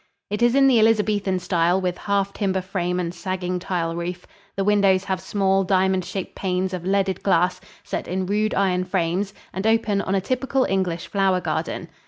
It is in the Elizabethan style, with half timber frame and sagging tile roof. The windows have small, diamond shaped panes of leaded glass set in rude iron frames and open on a typical English flower garden.